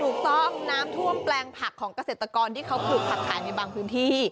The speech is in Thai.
ถูกต้องน้ำท่วมแปลงผักของเกษตรกรที่เขาปลูกผักขายในบางพื้นที่